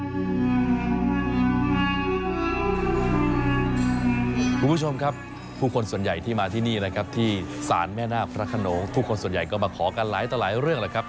คุณผู้ชมครับผู้คนส่วนใหญ่ที่มาที่นี่นะครับที่ศาลแม่นาคพระขนงทุกคนส่วนใหญ่ก็มาขอกันหลายต่อหลายเรื่องแหละครับ